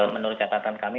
menurut catatan kami